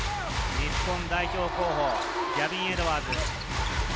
日本代表候補、ギャビン・エドワーズ。